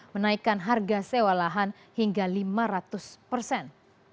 menaikkan harga sewa lahan hingga lima ratus persen